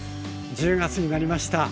１０月になりました。